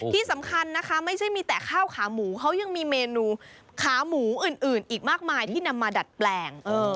ที่สำคัญนะคะไม่ใช่มีแต่ข้าวขาหมูเขายังมีเมนูขาหมูอื่นอีกมากมายที่นำมาดัดแปลง